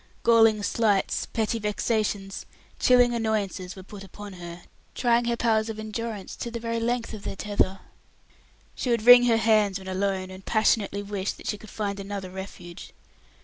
Galling slights, petty vexations, chilling annoyances were put upon her, trying her powers of endurance to the very length of their tether; she would wring her hands when alone, and passionately wish that she could find another refuge.